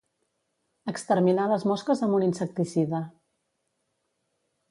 Exterminar les mosques amb un insecticida.